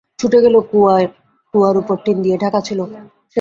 ছুটে গেল কুয়ার কুয়ার উপর টিন দিয়া ঢাকা ছিল।